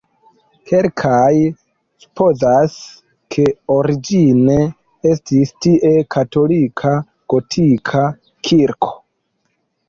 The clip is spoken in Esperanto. Kelkaj supozas, ke origine estis tie katolika gotika kirko.